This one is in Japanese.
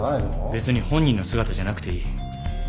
別に本人の姿じゃなくていい。